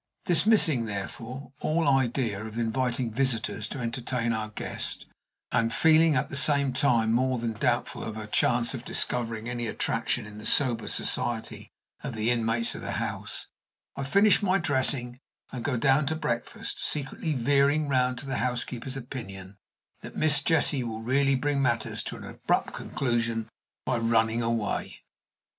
Dismissing, therefore, all idea of inviting visitors to entertain our guest, and feeling, at the same time, more than doubtful of her chance of discovering any attraction in the sober society of the inmates of the house, I finish my dressing and go down to breakfast, secretly veering round to the housekeeper's opinion that Miss Jessie will really bring matters to an abrupt conclusion by running away.